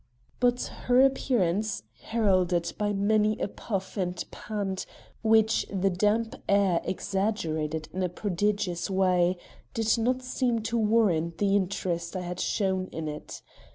But her appearance, heralded by many a puff and pant which the damp air exaggerated in a prodigious way, did not seem to warrant the interest I had shown in it.